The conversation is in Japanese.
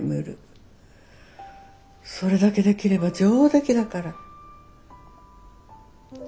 それだけできれば上出来だから。